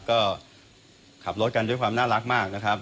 ก็ขับรถกันด้วยความน่ารักมากนะครับ